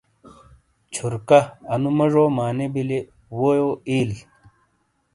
چھورکا ، انو مجو معنی بیلی، وےیو اییل ۔